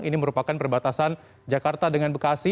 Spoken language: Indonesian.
ini merupakan perbatasan jakarta dengan bekasi